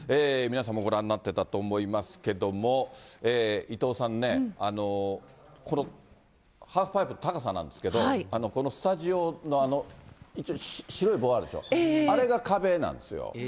皆さんもご覧になってたと思いますけれども、伊藤さん、このハーフパイプ、高さなんですけど、このスタジオのあの白い棒あるでしょ、あれが壁なんですよ。